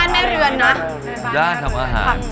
แม่บ้านแม่เรือนนะ